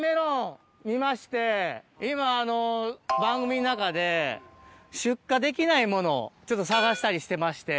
今番組の中で出荷できないものを探したりしてまして。